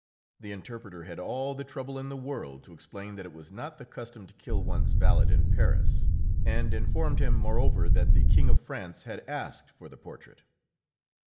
The interpreter had all the trouble in the world to explain that it was not the custom to kill one's valet in Paris, and informed him, moreover, that the King of France had asked for the portrait.